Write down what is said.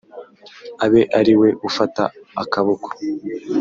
abe ari we ufata akaboko.